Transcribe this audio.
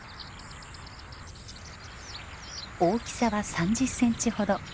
大きさは３０センチほど。